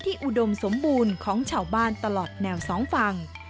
อุดมสมบูรณ์ของชาวบ้านตลอดแนวสองฝั่ง